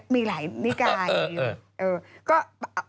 มีหลายนิกายอยู่